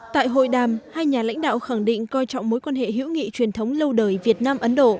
tại hội đàm hai nhà lãnh đạo khẳng định coi trọng mối quan hệ hữu nghị truyền thống lâu đời việt nam ấn độ